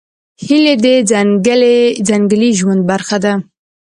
هیلۍ د ځنګلي ژوند برخه ده